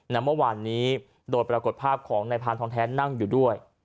เมื่อวานนี้โดยปรากฏภาพของนายพานทองแท้นั่งอยู่ด้วย